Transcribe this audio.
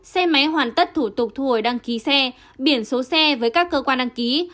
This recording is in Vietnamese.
xe máy hoàn tất thủ tục thu hồi đăng ký xe biển số xe với các cơ quan đăng ký